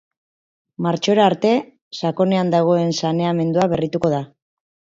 Martxora arte, sakonean dagoen saneamendua berrituko da.